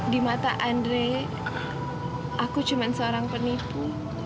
di mata andre aku cuma seorang penipu